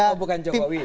oh bukan jokowi